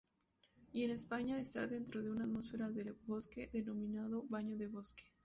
Y en España, estar dentro de una atmósfera de bosque, denominado "Baño de Bosque".